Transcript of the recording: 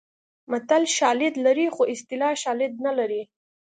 متل شالید لري خو اصطلاح شالید نه لري